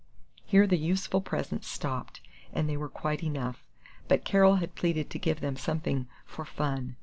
Here the useful presents stopped, and they were quite enough; but Carol had pleaded to give them something "for fun."